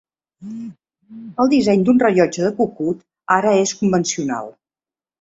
El disseny d'un rellotge de cucut ara és convencional.